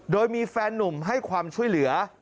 โดยมีแฟนหนุ่มให้ความช่วยเหลือ